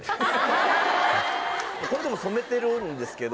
これでも染めてるんですけど。